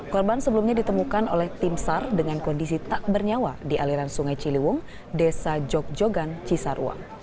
korban sebelumnya ditemukan oleh tim sar dengan kondisi tak bernyawa di aliran sungai ciliwung desa jogjogan cisarua